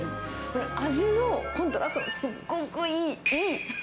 これ、味のコントラストがすごくいい、いい！